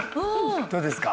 どうですか？